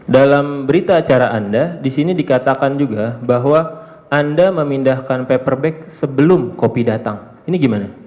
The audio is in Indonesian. dalam berita acara anda disini dikatakan juga bahwa anda memindahkan paper bag sebelum kopi datang ini gimana